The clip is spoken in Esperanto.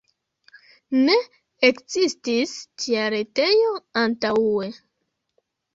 Ne ekzistis tia retejo antaŭe.